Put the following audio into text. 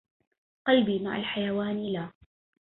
قلبي مع الحيوان لا